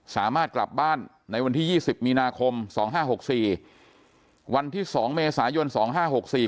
สามารถกลับบ้านในวันที่ยี่สิบมีนาคมสองห้าหกสี่วันที่สองเมษายนสองห้าหกสี่